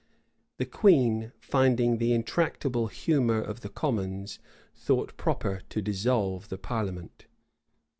The queen, finding the intractable humor of the commons, thought proper to dissolve the parliament.